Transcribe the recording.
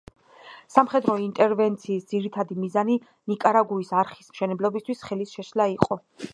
სამხედრო ინტერვენციის ძირითადი მიზანი ნიკარაგუის არხის მშენებლობისთვის ხელის შეშლა იყო.